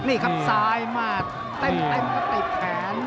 นี่ครับซ้ายมาเต็มก็ติดแขน